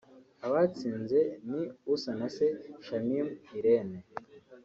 Abatsinze ni Usanase Shamim Irene